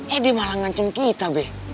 eh dia malah ngantun kita be